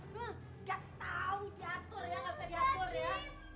nggak tahu diatur ya nggak bisa diatur ya